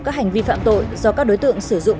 các hành vi phạm tội do các đối tượng sử dụng